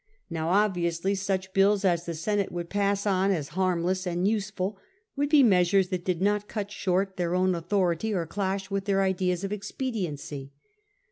Now, obviously, such bills as the Senate would pass on as harmless and useful, would be measures that did not cut short their own authority or clash with their ideas of expediency.